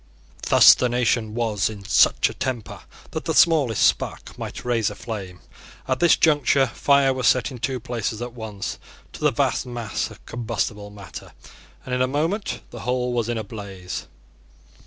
Thus the nation was in such a temper that the smallest spark might raise a flame. At this conjuncture fire was set in two places at once to the vast mass of combustible matter; and in a moment the whole was in a blaze.